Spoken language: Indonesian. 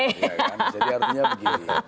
jadi artinya begini